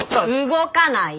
動かない！